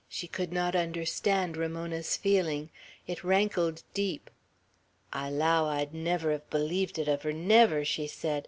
She could not understand Ramona's feeling. It rankled deep. "I allow I'd never hev bleeved it uv her, never," she said.